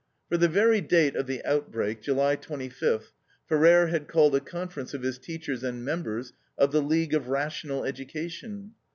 For the very date of the outbreak, July twenty fifth, Ferrer had called a conference of his teachers and members of the League of Rational Education.